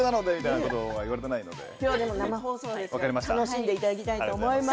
でも今日は生放送ですから楽しんでいただきたいと思います。